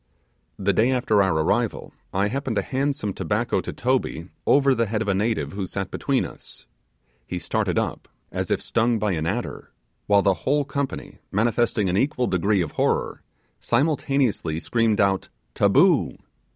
The day after our arrival I happened to hand some tobacco to Toby over the head of a native who sat between us. He started up, as if stung by an adder; while the whole company, manifesting an equal degree of horror, simultaneously screamed out 'Taboo!